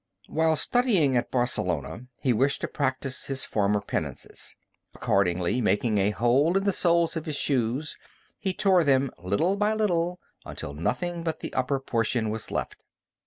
While studying at Barcelona, he wished to practise his former penances. Accordingly, making a hole in the soles of his shoes, he tore them, little by little, until nothing but the upper portion was left.